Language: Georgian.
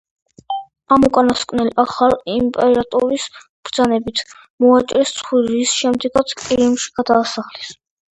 ამ უკანასკნელს, ახალი იმპერატორის ბრძანებით მოაჭრეს ცხვირი, რის შემდეგაც ყირიმში გადაასახლეს.